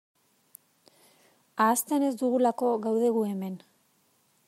Ahazten ez dugulako gaude gu hemen.